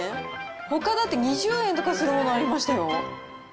ほかだって２０円とかするものありましたよ。